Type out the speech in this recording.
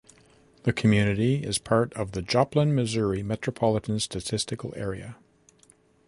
The community is part of the Joplin, Missouri Metropolitan Statistical Area.